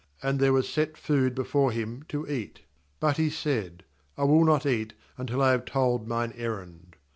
^And there was set food before him to eat; but he said: 'I will not eat, until I have told mine errand.'